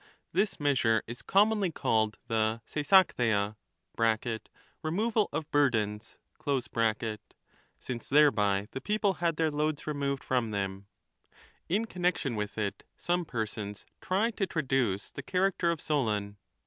This measure is commonly called the Seisachtheia [= removal of burdens], since thereby the people had their loads removed from them. In connection with it some persons try to traduce the character of Solon.